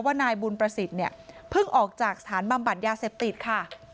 นายบุญประสิทธิ์เนี่ยเพิ่งออกจากสถานบำบัดยาเสพติดค่ะ